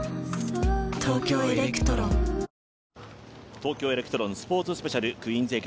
東京エレクトロンスポーツスペシャル、クイーンズ８。